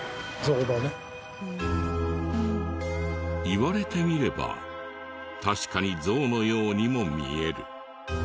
言われてみれば確かにゾウのようにも見える。